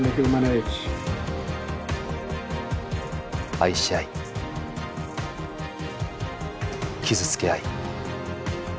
愛し合い傷つけ合い